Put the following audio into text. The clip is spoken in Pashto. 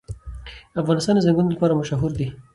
افغانستان د چنګلونه لپاره مشهور دی.